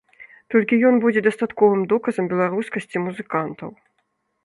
Толькі ён будзе дастатковым доказам беларускасці музыкантаў.